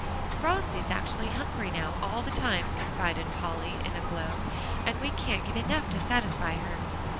"Phronsie's actually hungry now all the time," confided Polly in a glow, "and we can't get enough to satisfy her."